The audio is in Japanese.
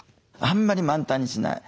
あんまり満タンにしない。